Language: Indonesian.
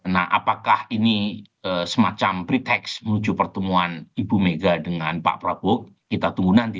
nah apakah ini semacam preteks menuju pertemuan ibu mega dengan pak prabowo kita tunggu nanti